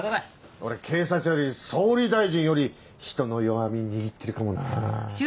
俺警察より総理大臣より人の弱み握ってるかもな。